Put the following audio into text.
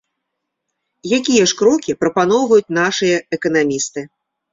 Якія ж крокі прапаноўваюць нашыя эканамісты?